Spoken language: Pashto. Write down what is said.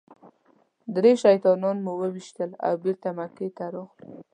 درې شیطانان مو وويشتل او بېرته مکې ته راغلو.